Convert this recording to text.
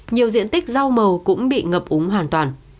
nhiều diện tích rau màu cũng bị ngập úng hoàn toàn